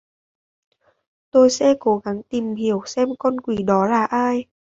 Tôi sẽ cố gắng tìm hiểu xem con quỷ đó là ai